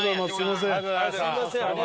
すみません。